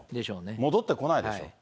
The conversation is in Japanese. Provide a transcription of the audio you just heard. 戻ってこないでしょ。